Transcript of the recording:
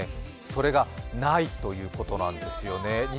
それがないということなんですよね。